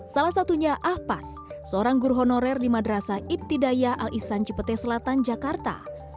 salah satunya ahpas seorang guru honorer di madrasa ibtidaya al issan cipete selatan jakarta